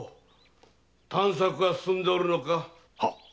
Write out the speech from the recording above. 探索はすすんでおるのか？